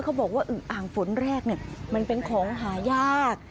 บอกว่าอึงอ่างฝนแรกมันเป็นของหายาก